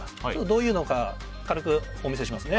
どういうのか軽くお見せします。